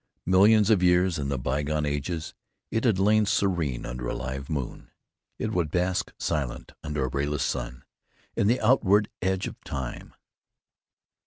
Millions of years in the bygone ages it had lain serene under a half moon; it would bask silent under a rayless sun, in the onward edge of time.